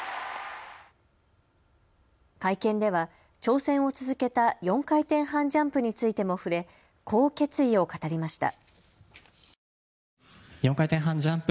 会見では挑戦を続けた４回転半ジャンプについても触れ、こう決意を語りました。